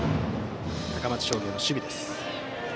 高松商業の守備です。